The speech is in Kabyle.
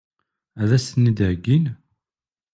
Ad as-ten-id-heggin?